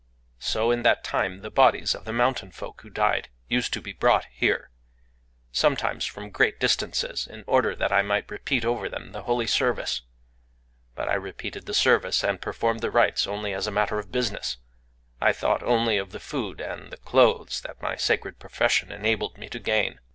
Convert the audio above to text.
So, in that time, the bodies of the mountain folk who died used to be brought here,—sometimes from great distances,—in order that I might repeat over them the holy service. But I repeated the service and performed the rites only as a matter of business;—I thought only of the food and the clothes that my sacred profession enabled me to gain.